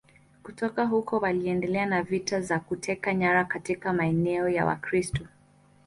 Kutoka huko waliendelea na vita za kuteka nyara katika maeneo ya Wakristo.